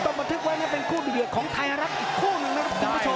ต้องประทึกไว้เป็นคู่ดูเดือดของไทยฮารักษ์อีกคู่หนึ่งนะครับคุณผู้ชม